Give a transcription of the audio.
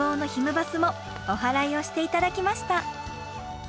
バスもおはらいをして頂きました。